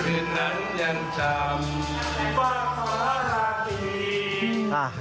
คืนนั้นยังจำฝากสวรรค์หาดี